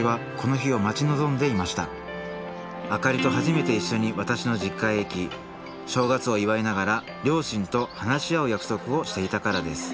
明里と初めて一緒に私の実家へ行き正月を祝いながら両親と話し合う約束をしていたからです。